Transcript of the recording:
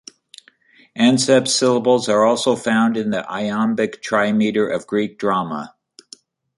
Anceps syllables are also found in the iambic trimeter of Greek drama.